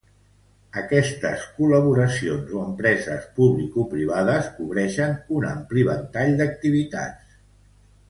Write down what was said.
Aquestes col·laboracions o empreses publicoprivades cobreixen un ampli ventall d'activitats.